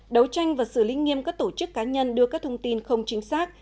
đấu tranh và xử lý nghiêm các tổ chức cá nhân đưa các thông tin không chính xác